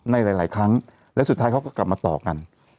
ในหลายครั้งแล้วสุดท้ายเขาก็กลับมาต่อกัน